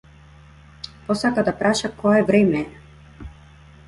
Посака да праша кое време е.